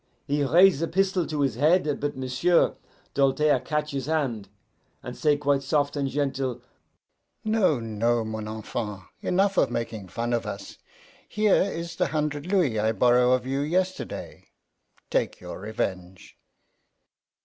He raise a pistol to his head; but M'sieu' Doltaire catch his hand, and say quite soft and gentle, 'No, no, mon enfant, enough of making fun of us. Here is the hunder' louis I borrow of you yesterday. Take your revenge.